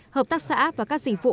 hợp tác xã và các sĩ phụ